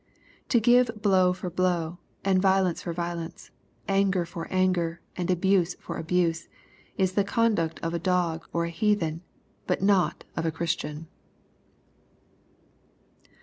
To give blow for blow, and violence for violence, anger for anger, and abuse for abuse, is the conduct of a dog or a heathen, but not of a Christian.